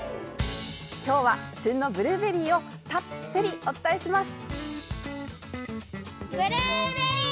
今日は旬のブルーベリーをたっぷりお伝えします。